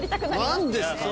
何ですかね？